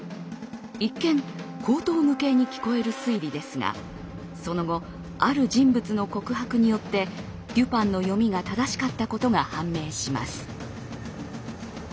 一見荒唐無稽に聞こえる推理ですがその後ある人物の告白によってデュパンの読みが正しかったことが判明します。